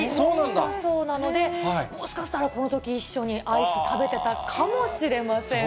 だそうなので、もしかしたら、このとき一緒にアイス、食べてたかもしれませんね。